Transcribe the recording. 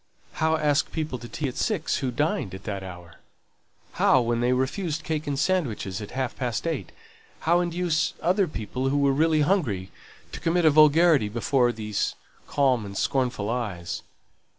How ask people to tea at six, who dined at that hour? How, when they refused cake and sandwiches at half past eight, how induce other people who were really hungry to commit a vulgarity before those calm and scornful eyes?